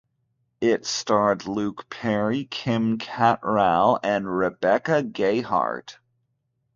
It starred Luke Perry, Kim Cattrall and Rebecca Gayheart.